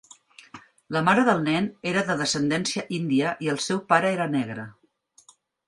La mare del nen era de descendència índia i el seu pare era negre.